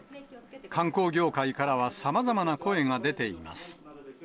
観光業界からはさまざまな声が出ています。